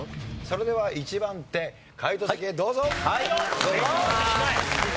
それでは１番手解答席へどうぞ！